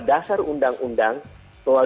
dasar undang undang bahwa